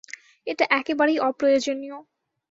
এটা একেবারেই অপ্রয়োজনীয়।